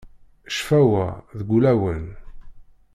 Ccfawa, deg ulawen.